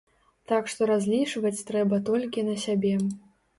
Так што разлічваць трэба толькі на сябе.